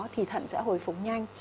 thì thận sẽ hồi phục nhanh